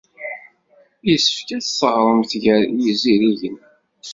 Yessefk ad teɣremt gar yizirigen.